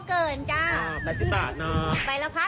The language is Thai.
ใส่เกิดราคาเปล่าจ้า